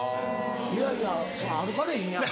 いやいやそんな歩かれへんやん。